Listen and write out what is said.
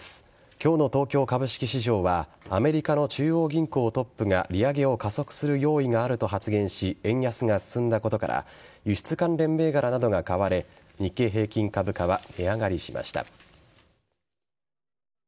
今日の東京株式市場はアメリカの中央銀行トップが利上げを加速する用意があると発言し円安が進んだことから輸出関連銘柄などが買われ日経平均株価は値上がりしました。